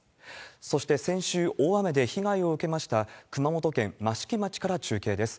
そして、先週大雨で被害を受けました、熊本県益城町から中継です。